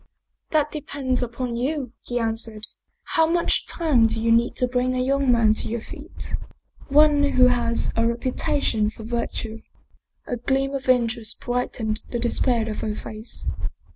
" That depends upon you," he answered. " How much time do you need to bring a young man to your feet ? One who has a reputation for virtue ?" A gleam of interest brightened the despair of her face.